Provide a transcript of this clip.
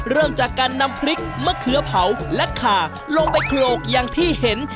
เริ่มจากการนำพริกมะเขือเผาและขาลงไปโขลกอย่างที่เห็น